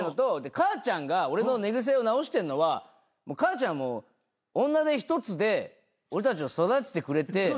で母ちゃんが俺の寝癖を直してんのは母ちゃんも女手一つで俺たちを育ててくれて。